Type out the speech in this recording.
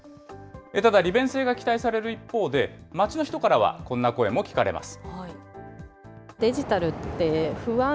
ただ、利便性が期待される一方で、街の人からはこんな声も聞かれます。